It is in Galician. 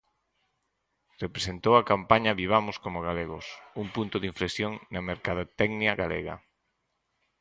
Representou a campaña "Vivamos como galegos" un punto de inflexión na mercadotecnia galega?